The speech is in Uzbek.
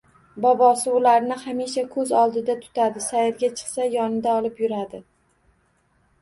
Bobosi ularni hamisha koʻz oldida tutadi, sayrga chiqsa yonida olib yuradi